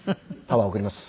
パワーを送ります。